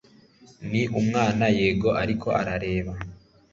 ni umwana yego ariko arareba